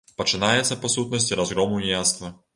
Пачынаецца, па сутнасці, разгром уніяцтва.